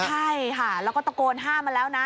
ใช่ค่ะแล้วก็ตะโกนห้ามมาแล้วนะ